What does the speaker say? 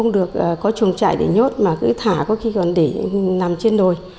rông chạy để nhốt mà cứ thả có khi còn để nằm trên đồi